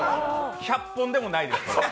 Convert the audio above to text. １００本でもないです。